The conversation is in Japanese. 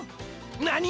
何！